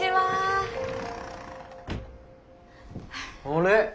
あれ？